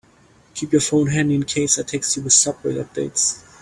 Keep your phone handy in case I text you with subway updates.